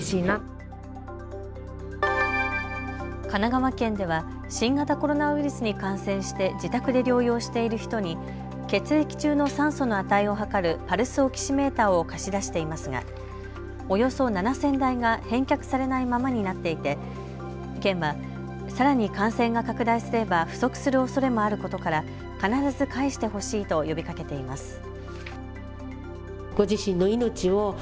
神奈川県では新型コロナウイルスに感染して自宅で療養している人に血液中の酸素の値を測るパルスオキシメーターを貸し出していますがおよそ７０００台が返却されないままになっていて県は、さらに感染が拡大すれば不足するおそれもあることから必ず返してほしいと呼びかけています。